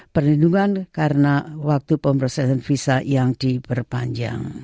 perlindungan karena waktu pemrosesan visa yang diperpanjang